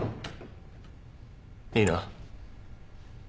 いいな？